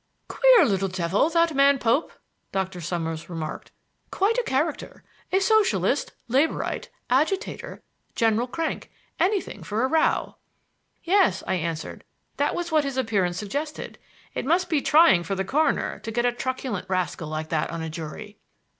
"Queer little devil, that man Pope," Dr. Summers remarked. "Quite a character; a socialist, laborite, agitator, general crank; anything for a row." "Yes," I answered; "that was what his appearance suggested. It must be trying for the coroner to get a truculent rascal like that on a jury."